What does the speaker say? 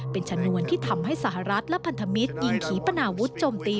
เป็นชนวนที่ทำให้สหรัฐและพันธมิตรยิงขี่ปนาวุฒิจมตี